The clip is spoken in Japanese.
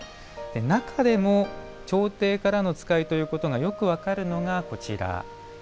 中でも朝廷からの使いということがよく分かるのが、こちら。